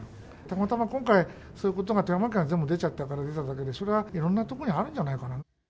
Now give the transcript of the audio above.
たまたま今回、そういうことが富山県が全部出ちゃったから出ただけで、それはいろんなとこにあるんじゃないかな。